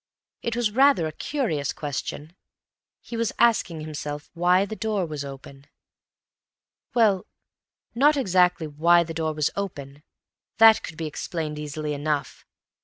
It was rather a curious question. He was asking himself why the door was open. Well, not exactly why the door was open; that could be explained easily enough.